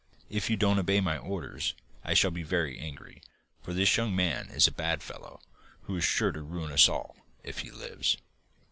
If you don't obey my orders I shall be very angry, for this young man is a bad fellow who is sure to ruin us all if he lives.